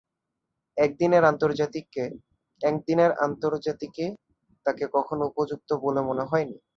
একদিনের আন্তর্জাতিকে তাকে কখনো উপযুক্ত বলে মনে হয়নি।